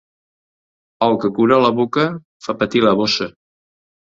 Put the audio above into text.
El que cura la boca fa patir la bossa.